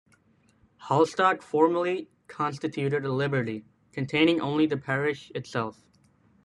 Halstock formerly constituted a liberty, containing only the parish itself.